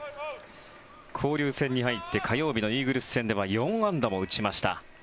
交流戦に入って火曜日のイーグルス戦では４安打を打ちました。